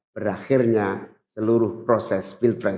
berakhirnya seluruh proses pilpres dua ribu dua puluh empat